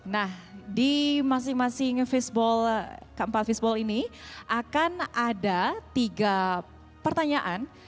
nah di masing masing fishball keempat fisball ini akan ada tiga pertanyaan